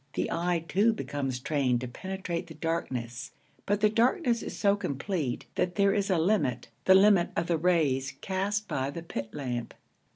The eye, too, becomes trained to penetrate the darkness; but the darkness is so complete that there is a limit, the limit of the rays cast by the pit lamp.